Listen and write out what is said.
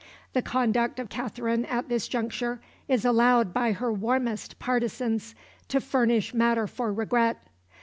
The conduct of Katherine at this juncture is allowed by her warmest partisans to furnish matter for regret.